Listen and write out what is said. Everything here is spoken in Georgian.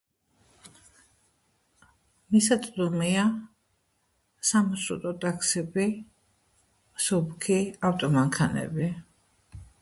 მისაწვდომია სამარშრუტო ტაქსები, შუქი, ავტომანქანები.